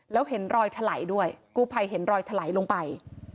แล้วเห็นรอยถลายด้วยกู้ภัยเห็นรอยถลายลงไป